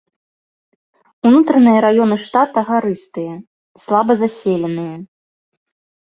Унутраныя раёны штата гарыстыя, слаба заселеныя.